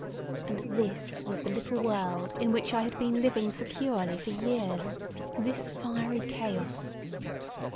And this was the little world in which I had been living securely for years, this fiery chaos!